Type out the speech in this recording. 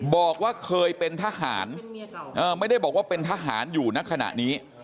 บอกว่าเคยเป็นทหารไม่ได้บอกว่าเป็นทหารอยู่ในขณะนี้